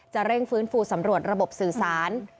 เร่งฟื้นฟูสำรวจระบบสื่อสาร